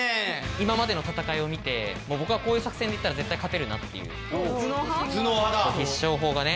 今までの戦いを見て僕はこういう作戦でいったら絶対勝てるなっていう必勝法がね。